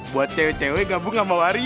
buat cewek cewek gabung sama wari